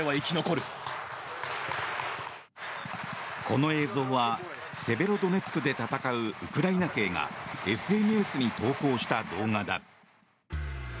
この映像はセベロドネツクで戦うウクライナ兵がＳＮＳに投稿した動画だ。